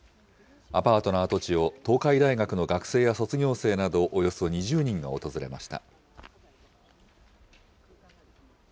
アパートの跡地を、東海大学の学生や卒業生など、およそ２０人が訪れました。